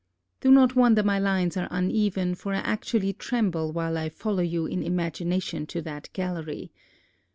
Do not wonder my lines are uneven, for I actually tremble while I follow you in imagination to that gallery.